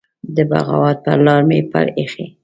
د بغاوت پر لار مي پل يښی